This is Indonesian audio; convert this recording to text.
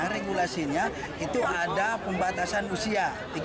regulasinya itu ada pembatasan usia